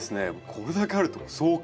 これだけあると壮観！